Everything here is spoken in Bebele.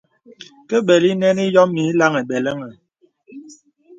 Ke bəlí nənì yǒm mīyï laŋhi beləŋ.